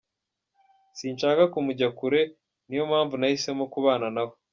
Sinshaka kumujya kure niyo mpamvu nahisemo kubana nawe.